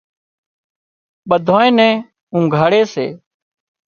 ٻڌانئين نين اونگھاڙي سي